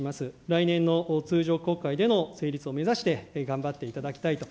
来年の通常国会での成立を目指して頑張っていただきたいと。